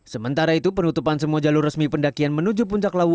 sementara itu penutupan semua jalur resmi pendakian menuju puncak lawu